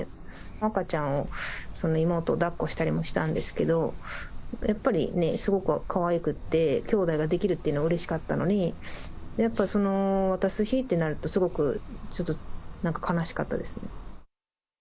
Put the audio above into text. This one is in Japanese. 赤ちゃんを、妹を抱っこしたりもしたんですけど、やっぱりすごくかわいくって、きょうだいができるっていうのがうれしかったのに、やっぱりその、渡す日となると、すごくちょっとなんか悲しかったですね。